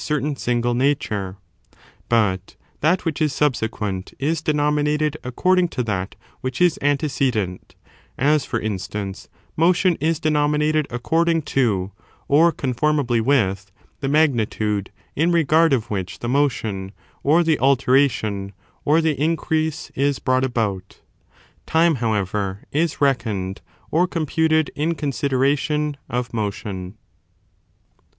«««»« *n single nature; but that which is subsequent is tionTind diS^^ denominated according to that which is ante ®°* cedent : as, for instance, motion is denominated according to, or conformably with, the magnitude in regard of which the motion, or the alteration, or the increase, is brought about ; time, however, is reckoned or computed in consideration of motion.